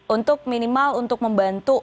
untuk minimal untuk membantu